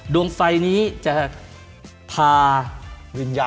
ดวงไฟนี้จะพา